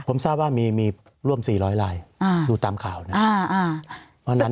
ผมทราบว่ามีร่วม๔๐๐ลายดูตามข่าวนะ